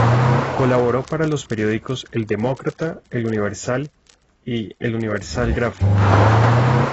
Colaboró para los periódicos "El Demócrata", "El Universal" y "El Universal Gráfico".